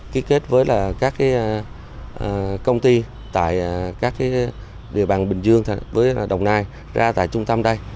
ký kết với các công ty tại các địa bàn bình dương với đồng nai ra tại trung tâm đây